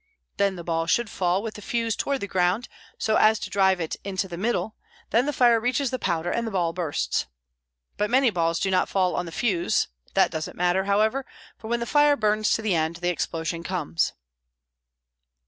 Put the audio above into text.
Then the ball should fall with the fuse toward the ground, so as to drive it into the middle; then the fire reaches the powder and the ball bursts. But many balls do not fall on the fuse; that does not matter, however, for when the fire burns to the end, the explosion comes."